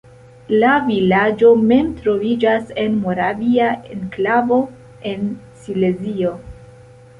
La vilaĝo mem troviĝas en moravia enklavo en Silezio.